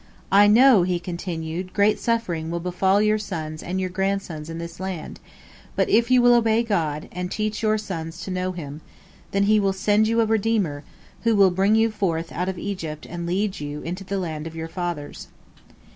"I know," he continued, "great suffering will befall your sons and your grandsons in this land, but if you will obey God, and teach your sons to know Him, then He will send you a redeemer, who will bring you forth out of Egypt and lead you into the land of your fathers."